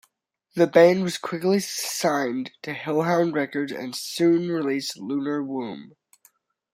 The band was quickly signed to Hellhound Records and soon released Lunar Womb.